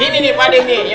gini nih pak denny